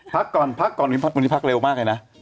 พักก่อนพักก่อนนี้พักวันนี้พักเร็วมากเลยนะ